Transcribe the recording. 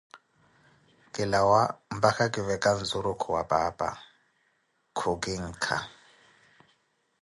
Kilawa mpakha kiveka nzurukhu wa paapa, khukinkha.